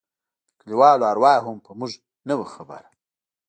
د كليوالو اروا هم په موږ نه وه خبره.